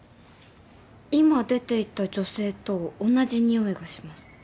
今出ていった女性と同じ匂いがします。